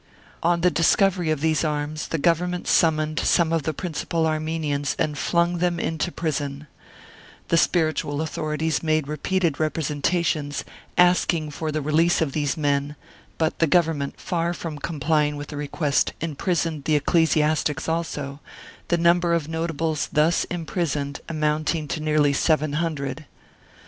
On the discovery of these arms, the Government summoned some of the principal Armenians and flung them into prison ; the spiritual authorities made repeated representations, asking for the release of these men, but the Government, far from complying with the Martyred Armenia 25 request, imprisoned the ecclesiastics also, the num ber of Notables thus imprisoned amounting to nearly seven hundred.